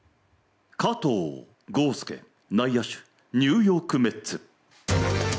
加藤豪将内野手、ニューヨーク・メッツ。